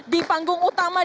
di panggung utama